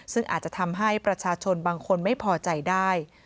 ซึ่งอาจจะทำให้ประชาชนบางคนไม่พอใจได้